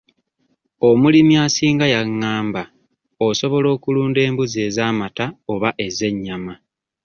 Omulimi asinga yangamba osobola okulunda embuzi ez'amata oba ez'ennyama.